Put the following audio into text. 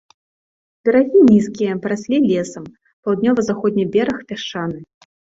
Берагі нізкія, параслі лесам, паўднёва-заходні бераг пясчаны.